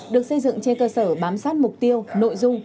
được xây dựng trên cơ sở bám sát mục tiêu nội dung